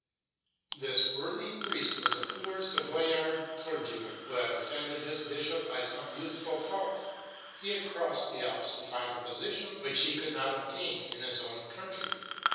This worthy priest was a poor Savoyard clergyman who had offended his bishop by some youthful fault; he had crossed the Alps to find a position which he could not obtain in his own country.